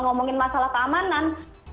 ngomongin masalah keamanan